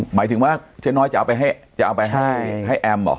หมายถึงว่าเจ๊น้อยจะเอาไปให้แอมเหรอ